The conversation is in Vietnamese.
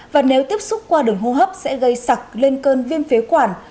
và nếu tiếp xúc qua đường hô hấp sẽ gây sạc lên cơn viêm phế quản